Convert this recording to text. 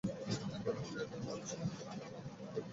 একবার গ্রেট ওয়ালের সীমানা পার হতে পারলেই তোমরা অবিনশ্বর হয়ে উঠবে!